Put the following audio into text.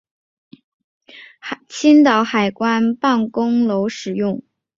胶海关旧址此后长期作为青岛海关办公楼使用。